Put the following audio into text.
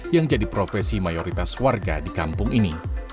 yang jadi profesi mayoritas warga di kampung ini